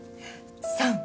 ３。